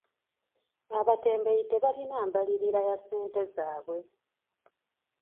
Abatembeeyi tebalina mbalirira ya ssente zaabwe.